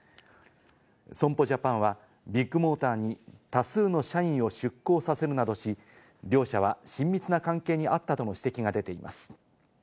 損保ジャパンはビッグモーターに多数の社員を出向させるなどし、両者は親密な関係にあったとの指摘が出ています。